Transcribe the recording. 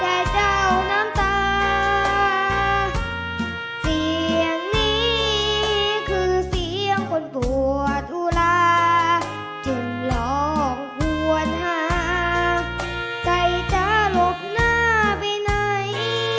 แต่เจ้าน้ำตาเสียงนี้คือเสียงคนผัวทุลาจึงลองควรหาใจจะหลบหน้าไปไหน